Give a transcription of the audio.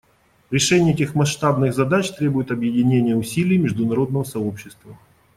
Решение этих масштабных задач требует объединения усилий международного сообщества.